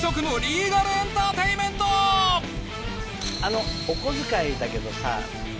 あのお小遣いだけどさ